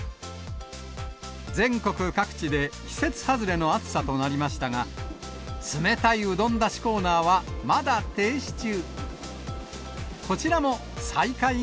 全国各地で季節外れの暑さとなりましたが、冷たいうどんだしコーナーはまだ停止中。